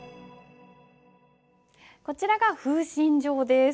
こちらが「風信帖」です。